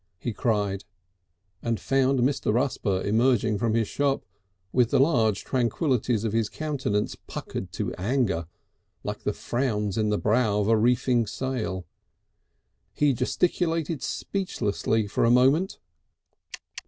he cried, and found Mr. Rusper emerging from his shop with the large tranquillities of his countenance puckered to anger, like the frowns in the brow of a reefing sail. He gesticulated speechlessly for a moment.